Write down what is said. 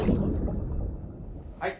はい。